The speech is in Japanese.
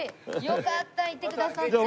よかったいてくださって。